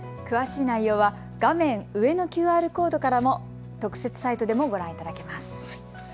詳しい内容は画面上のＱＲコードからも特設サイトでもご覧いただけます。